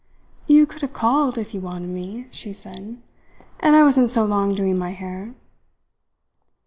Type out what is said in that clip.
"You could have called if you wanted me," she said. "And I wasn't so long doing my hair."